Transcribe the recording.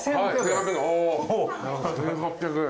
お１，８００円。